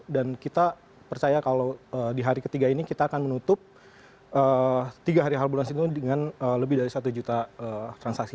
dan kita percaya kalau di hari ketiga ini kita akan menutup tiga hari harbolnas itu dengan lebih dari satu juta transaksi